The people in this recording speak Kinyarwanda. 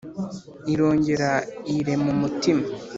Irongera iyirema umutima